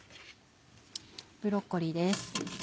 ブロッコリーです。